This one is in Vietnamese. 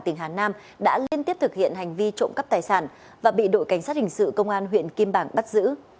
tỉnh hà nam đã liên tiếp thực hiện hành vi trộm cắp tài sản và bị đội cảnh sát hình sự công an huyện kim bảng bắt giữ